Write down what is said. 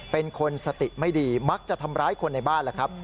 เป็นคนสติไม่ดีมักจะทำร้ายคนในบ้านแหละครับ